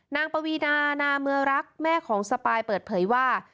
ปวีนานาเมืองรักแม่ของสปายเปิดเผยว่า